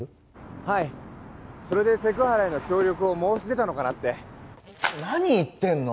はいそれでセク原への協力を申し出たのかなって何言ってんの！